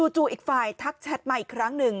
จู่อีกฝ่ายทักแชทมาอีกครั้งหนึ่ง